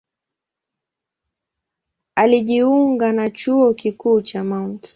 Alijiunga na Chuo Kikuu cha Mt.